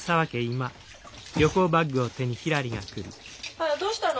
あらどうしたの？